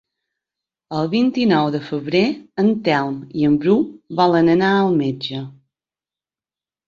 El vint-i-nou de febrer en Telm i en Bru volen anar al metge.